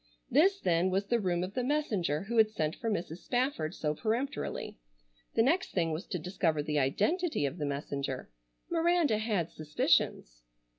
This then was the room of the messenger who had sent for Mrs. Spafford so peremptorily. The next thing was to discover the identity of the messenger. Miranda had suspicions.